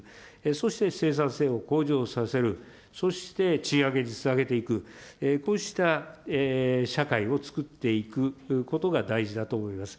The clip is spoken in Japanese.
そして生産性を向上させる、そして賃上げにつなげていく、こうした社会をつくっていくことが大事だと思います。